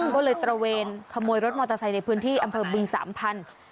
ก็เลยตระเวนขโมยรถมอเตอร์ไซค์ในพื้นที่อำเภอบึงสามพัน